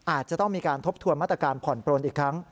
อาจจะต้องมีการทบทวนมาตรการผ่อนปลนอีกครั้ง